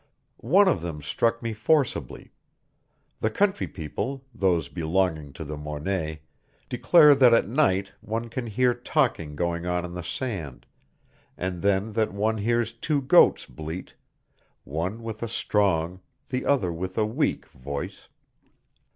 One of them struck me forcibly. The country people, those belonging to the Mornet, declare that at night one can hear talking going on in the sand, and then that one hears two goats bleat, one with a strong, the other with a weak voice.